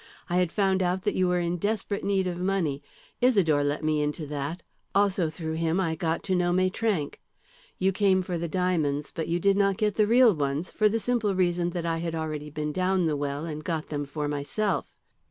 I had found out that you were in desperate need of money. Isidore let me into that, also through him I got to know Maitrank. You came for the diamonds, but you did not get the real ones, for the simple reason that I had already been down the well and got them for myself.